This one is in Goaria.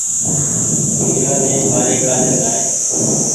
ويرآ ني ٻآري ڪآڏين لآئي